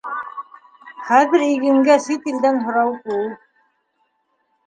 Хәҙер игенгә сит илдән һорау күп.